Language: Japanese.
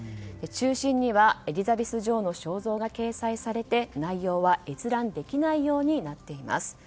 中心にはエリザベス女王の肖像が掲載されて内容は閲覧できないようになっています。